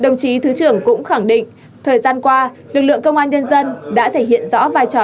đồng chí thứ trưởng cũng khẳng định thời gian qua lực lượng công an nhân dân đã thể hiện rõ vai trò